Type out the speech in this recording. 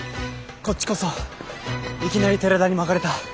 こっちこそいきなり寺田にまかれた。